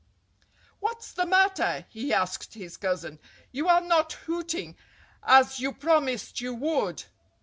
"What's the matter?" he asked his cousin. "You are not hooting, as you promised you would."